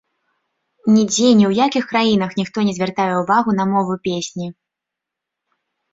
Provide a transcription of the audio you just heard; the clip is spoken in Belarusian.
Нідзе ні ў якіх краінах ніхто не звяртае ўвагу на мову песні.